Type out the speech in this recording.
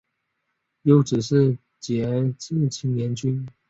幼子是杰志青年军。